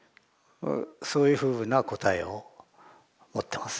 そういうふうな答えを持ってます。